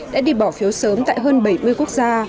đã đi bỏ phiếu sớm tại hơn bảy mươi quốc gia